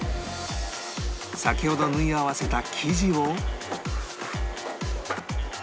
先ほど縫い合わせた生地を